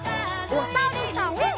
おさるさん。